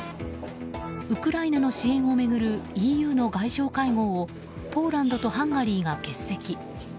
ウクライナの支援を巡るＥＵの外相会合をポーランドとハンガリーが欠席。